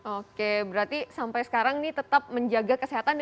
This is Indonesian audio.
oke berarti sampai sekarang ini tetap menjaga kesehatan anda